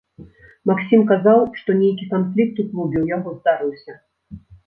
Максім казаў, што нейкі канфлікт у клубе ў яго здарыўся.